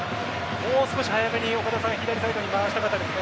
もう少し早めに左サイドに回したかったですね。